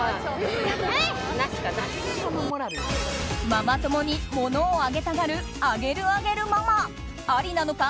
ママ友に物をあげたがるあげるあげるママありなのか？